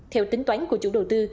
theo tính toán của chủ đầu tư